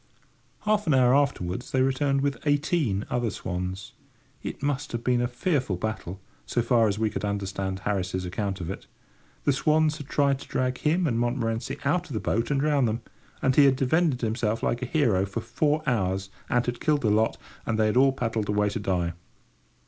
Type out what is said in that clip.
Half an hour afterwards they returned with eighteen other swans! It must have been a fearful battle, so far as we could understand Harris's account of it. The swans had tried to drag him and Montmorency out of the boat and drown them; and he had defended himself like a hero for four hours, and had killed the lot, and they had all paddled away to die.